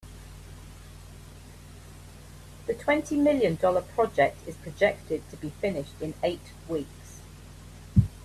The twenty million dollar project is projected to be finished in eight weeks.